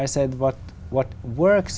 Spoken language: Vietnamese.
và nền tảng